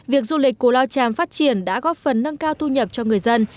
việc du lịch cù lao tràm phát triển đã góp phần nâng cao thu nhập cho người dân